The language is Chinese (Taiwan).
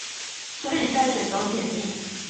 所以在水中前進